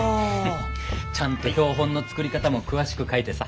ちゃんと標本の作り方も詳しく書いてさ。